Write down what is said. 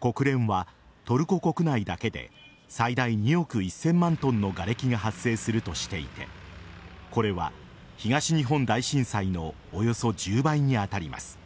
国連はトルコ国内だけで最大２億１０００万ｔのがれきが発生するとしていてこれは東日本大震災のおよそ１０倍に当たります。